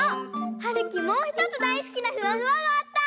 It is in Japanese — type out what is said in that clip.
はるきもうひとつだいすきなフワフワがあった！